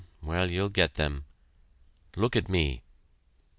Well, you'll get them. Look at me."